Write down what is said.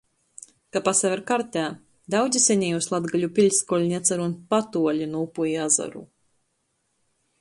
Ka pasaver kartē, daudzi senejūs latgaļu piļskolni atsarūn patuoli nu upu i azaru.